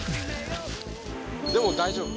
でも大丈夫。